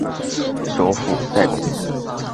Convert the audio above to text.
首府塞公。